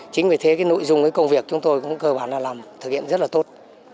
chính vì thế cái nội dung cái công việc chúng tôi cũng cơ bản là làm thực hiện rất là tốt